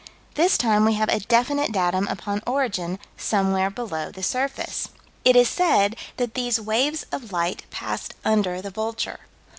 This time we have a definite datum upon origin somewhere below the surface. It is said that these waves of light passed under the Vulture.